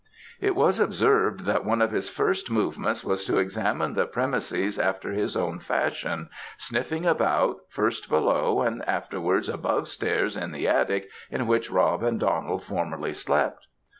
It was observed that one of his first movements was to examine the premises after his own fashion, sniffing about, first below, and afterwards above stairs in the attic in which Rob and Donald formerly slept.